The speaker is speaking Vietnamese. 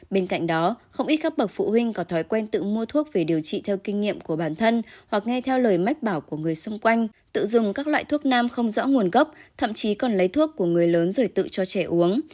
bên cạnh đó không ít các bậc phụ huynh có thói quen tự mua thuốc về điều trị theo kinh nghiệm của bản thân hoặc nghe theo lời mách bảo của người xung quanh tự dùng các loại thuốc nam không rõ nguồn gốc thậm chí còn lấy thuốc của người lớn rồi tự cho trẻ uống